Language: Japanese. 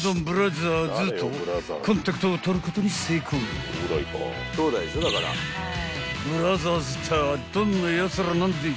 ［今回番組は］［ブラザーズたあどんなやつらなんでい］